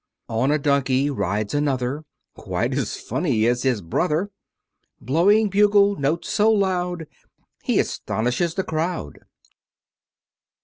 On a Donkey rides another, Quite as funny as his brother, Blowing bugle notes so loud, He astonishes the crowd.